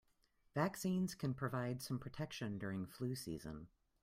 Vaccines can provide some protection during flu season.